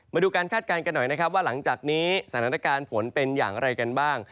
มาดูการคาดการณ์กันหน่อยนะครับว่าหลังจากนี้สถานการณ์ฝนเป็นอย่างไรกันบ้าง